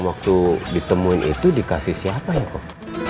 waktu ditemuin itu dikasih siapa ya kok